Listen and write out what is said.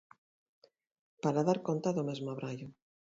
Para dar conta do mesmo abraio.